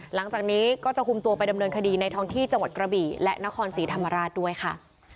หลังจากนี้ก็จะคุมตัวไปดำเนินคดีในท้องที่จังหวัดกระบี่และนครศรีธรรมราชด้วยค่ะ